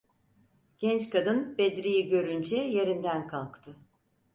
Genç kadın Bedri’yi görünce yerinden kalktı: